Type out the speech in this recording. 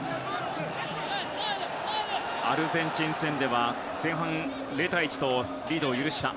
アルゼンチン戦では前半、０対１とリードを許した。